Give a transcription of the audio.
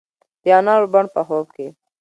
د انارو بڼ په خوب کې